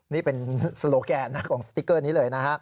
นี่เป็นโซโลแกนของสติ๊กเกอร์นี้เลยนะฮะ